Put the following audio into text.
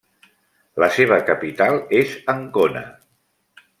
La seva capital és Ancona.